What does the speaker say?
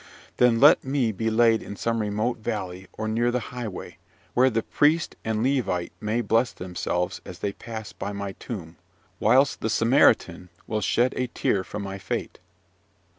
Then let me be laid in some remote valley, or near the highway, where the priest and Levite may bless themselves as they pass by my tomb, whilst the Samaritan will shed a tear for my fate.